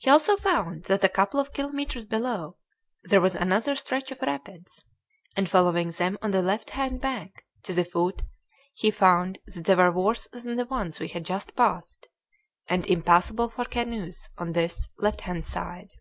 He also found that a couple of kilometres below there was another stretch of rapids, and following them on the left hand bank to the foot he found that they were worse than the ones we had just passed, and impassable for canoes on this left hand side.